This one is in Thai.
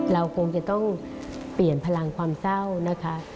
เราคงจะต้องเปลี่ยนพลังความเศร้านะคะ